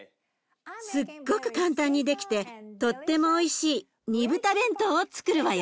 すっごく簡単にできてとってもおいしい煮豚弁当をつくるわよ！